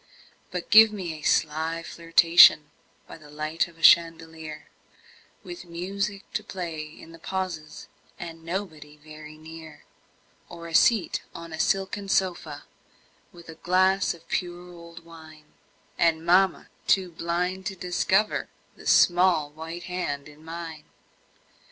But give me a sly flirtation By the light of a chandelier With music to play in the pauses, And nobody very near; Or a seat on a silken sofa, With a glass of pure old wine, And mamma too blind to discover The small white hand in mine.